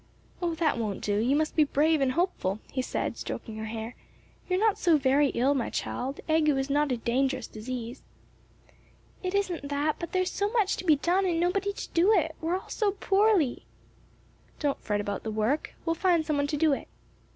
"Oh, that won't do! you must be brave and hopeful," he said, stroking her hair. "You're not so very ill, my child; ague is not a dangerous disease." "It isn't that, but there's so much to be done and nobody to do it; we're all so poorly." "Don't fret about the work; we'll find some one to do it."